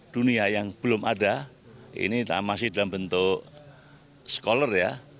dunia yang belum ada ini masih dalam bentuk scholar ya